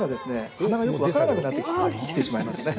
鼻がよく分からなくなってきてしまいますよね。